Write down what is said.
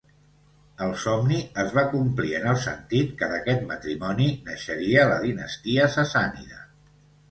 El somni es va complir en el sentit que d'aquest matrimoni naixeria la dinastia sassànida.